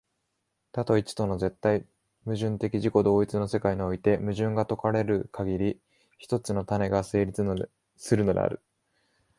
多と一との絶対矛盾的自己同一の世界において、矛盾が解かれるかぎり、一つの種が成立するのである。